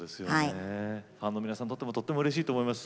ファンの皆さんにとってもとてもうれしいと思います。